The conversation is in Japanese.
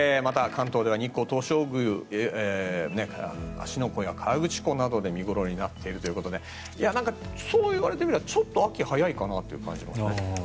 関東では日光東照宮芦ノ湖や河口湖などで見頃になっているということでそういわれてみれば、ちょっと秋が早いかなという感じもね。